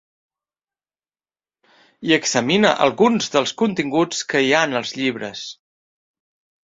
I examina alguns dels continguts que hi ha en els llibres.